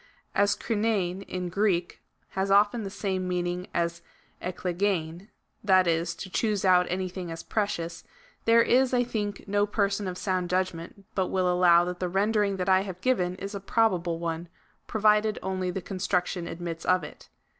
As Kpiveiv, in Greek, has often the same meaning as cKkejeLv, that is to choose out anything as precious,^ there is, I think, no person of sound judgment but will allow that the rendering that I have given is a probable one, provided only the construction admits of it.